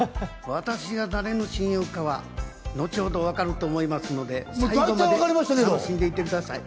私が彼の親友かは、後ほど分かると思いますので、最後まで楽しんでいってください。